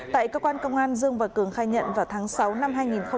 tại cơ quan công an dương và cường khai nhận vào tháng sáu năm hai nghìn hai mươi ba